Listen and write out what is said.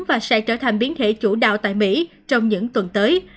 và sẽ trở thành biến thể chủ đạo tại mỹ trong những tuần tới